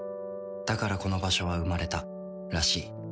だからこの場所は生まれたらしい